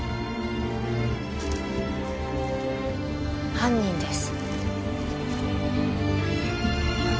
犯人です。